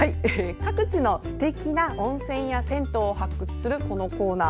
各地のすてきな温泉や銭湯を発掘するこのコーナー。